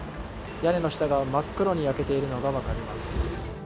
屋根の下が真っ黒に焼けているのが分かります。